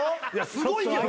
すごいけど。